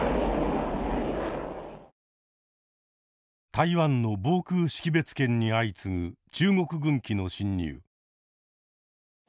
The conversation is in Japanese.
台湾の防空識別圏に相次ぐ中国軍機の進入。